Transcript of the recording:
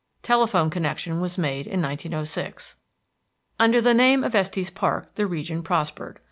Telephone connection was made in 1906. Under the name of Estes Park, the region prospered.